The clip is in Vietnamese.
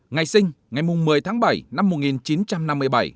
ngày sinh ngày một mươi tháng bảy năm một nghìn chín trăm năm mươi bảy